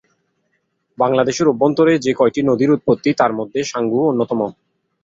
বাংলাদেশের অভ্যন্তরে যে কয়টি নদীর উৎপত্তি তার মধ্যে সাঙ্গু নদী অন্যতম।